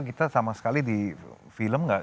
kita sama sekali di film gak